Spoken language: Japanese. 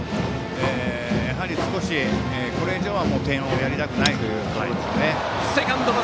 やはり少しこれ以上は点をやりたくないところでしょう。